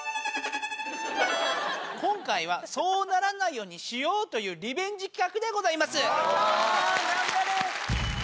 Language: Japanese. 今回はそうならないようにしようというリベンジ企画でございます！